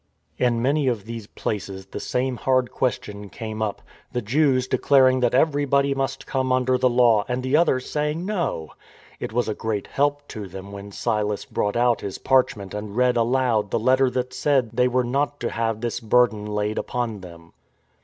In many of these places the same hard question came up — the Jews declaring that everybody must come under the Law and the others saying " No." It was a great help to them when Silas brought out his parchment and read aloud the letter that said they were not to have this burden laid upon them.